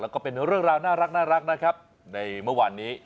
แล้วก็เป็นเรื่องราวน่ารักนะครับในเมื่อวานนี้